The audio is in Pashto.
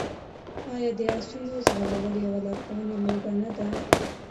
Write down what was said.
آیا د اسونو ځغلول یوه لرغونې لوبه نه ده؟